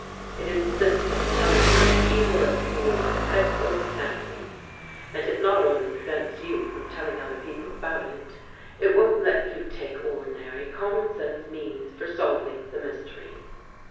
It insists on tell ing you that you are a fool with a head full of fancies and it not only prevents you from telling other peo ple about it, it won't let you take ordinary, common sense means for solving the mystery.